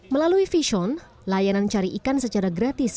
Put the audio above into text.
melalui vision layanan cari ikan secara gratis